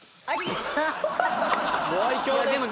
ご愛嬌です。